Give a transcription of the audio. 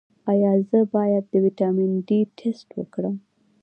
ایا زه باید د ویټامین ډي ټسټ وکړم؟